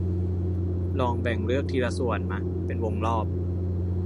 ลองแบ่งเลือกทีละส่วนมะ เป็นวงรอบ